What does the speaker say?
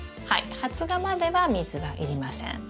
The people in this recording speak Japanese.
はい発芽までは水はいりません。